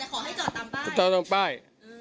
ก็จอดตามป้าย